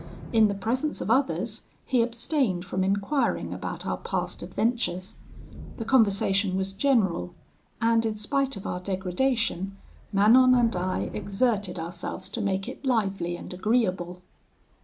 In the presence of others he abstained from enquiring about our past adventures. The conversation was general; and in spite of our degradation, Manon and I exerted ourselves to make it lively and agreeable.